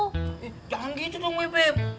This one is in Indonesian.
eh jangan gitu dong beb beb